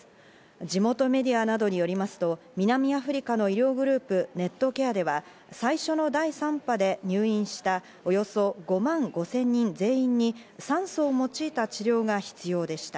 地元メディアなどによりますと、南アフリカの医療グループ、ネットケアでは最初の第３波で入院した、およそ５万５０００人全員に酸素を用いた治療が必要でした。